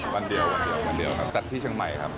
๑๔วันเดียวครับ